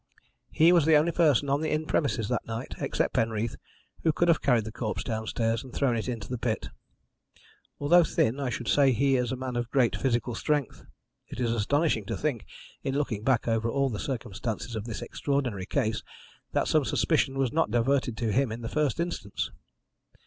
He was the only person on the inn premises that night, except Penreath, who could have carried the corpse downstairs and thrown it into the pit. Although thin, I should say he is a man of great physical strength. It is astonishing to think, in looking back over all the circumstances of this extraordinary case, that some suspicion was not diverted to him in the first instance.